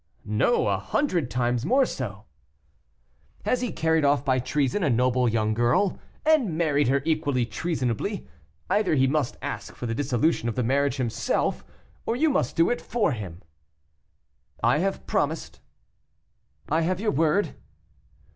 "No, a hundred times more so." "He has carried off, by treason, a noble young girl, and married her equally treasonably; either he must ask for the dissolution of the marriage himself, or you must do it for him." "I have promised." "I have your word?"